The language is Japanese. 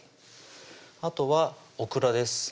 あとはオクラです